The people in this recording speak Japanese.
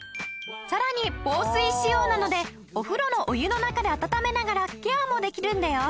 さらに防水仕様なのでお風呂のお湯の中で温めながらケアもできるんだよ。